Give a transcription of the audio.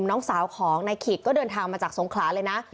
น้องสาวของนายขิกก็เดินทางมาจากสงขลาเลยนะ